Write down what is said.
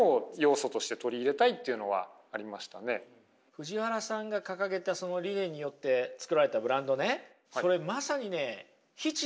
藤原さんが掲げたその理念によって作られたブランドねそれまさにね